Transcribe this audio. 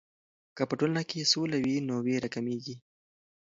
که په ټولنه کې سوله وي، نو ویر کمېږي.